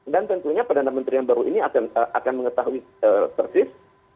dan tentunya perdana menteri yang baru ini akan mengetahui persis